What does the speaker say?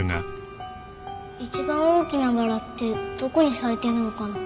一番大きなバラってどこに咲いてるのかな？